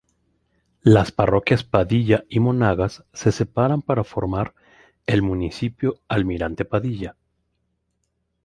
Las parroquias Padilla y Monagas se separan para formar el Municipio Almirante Padilla.